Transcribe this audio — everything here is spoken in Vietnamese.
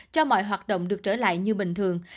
cho mọi hoạt động được trở lại như bình thường